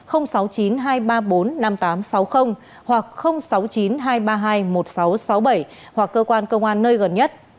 hoặc sáu mươi chín hai trăm ba mươi hai một nghìn sáu trăm sáu mươi bảy hoặc cơ quan công an nơi gần nhất